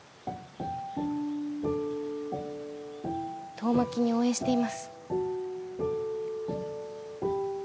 遠巻きに応援しています。